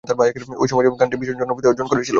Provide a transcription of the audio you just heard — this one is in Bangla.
ঐ সময়ে গানটি ভীষণ জনপ্রিয়তা অর্জন করেছিল।